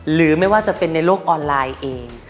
หรือไม่ว่าจะเป็นในโลกออนไลน์เอง